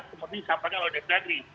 seperti sampainya oleh dpr